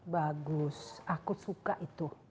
bagus aku suka itu